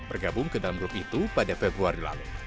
bergabung ke dalam grup itu pada februari lalu